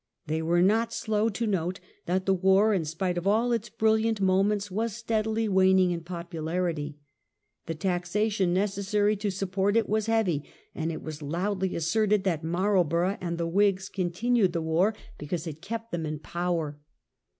They were not slow to note that the war, in spite of all its brilliant moments, was steadily waning in popularity; the taxation necessary to support it was heavy, and it was loudly asserted that Marlborough and the Whigs continued the war because it A TORY REACTION. 1 25 kept them in power.